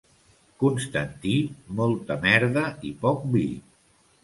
Constantí, molta merda i poc vi.